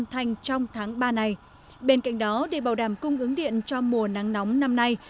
thành trong tháng ba này bên cạnh đó để bảo đảm cung ứng điện cho mùa nắng nóng năm nay